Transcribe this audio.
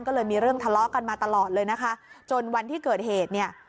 ก็เลยมีเรื่องทะเลาะกันมาตลอดเลยนะคะจนวันที่เกิดเหตุเนี่ย